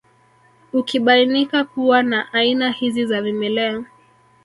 Ukibainika kuwa na aina hizi za vimelea